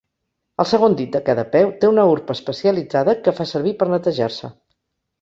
El segon dit de cada peu té una urpa especialitzada, que fa servir per netejar-se.